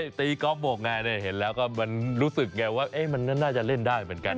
ตีก๊อฟบกไงเห็นแล้วก็มันรู้สึกไงว่ามันน่าจะเล่นได้เหมือนกัน